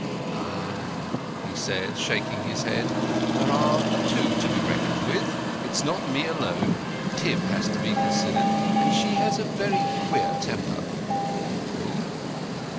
"Ah," he said, shaking his head, "there are two to be reckoned with. It is not me alone. Tib has to be considered, and she has a very queer temper." "Who?"